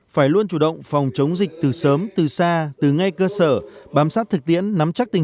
phải luôn chủ động phòng chống dịch từ sớm từ xa từ ngay cơ sở bám sát thực tiễn nắm chắc tình